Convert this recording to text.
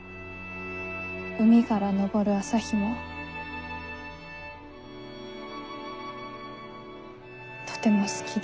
海がら昇る朝日もとても好きで。